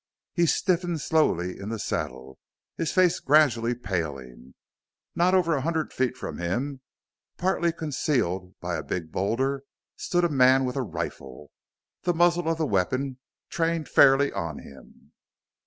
He stiffened slowly in the saddle, his face gradually paling. Not over a hundred feet from him, partly concealed by a big boulder, stood a man with a rifle, the muzzle of the weapon trained fairly on him.